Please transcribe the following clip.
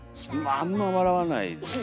あんま笑わないです。